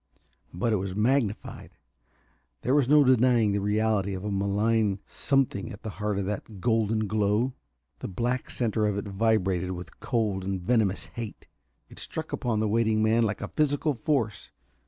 But it was magnified. There was no denying the reality of a malign something at the heart of that golden glow. The black center of it vibrated with cold and venomous hate. It struck upon the waiting man like a physical force.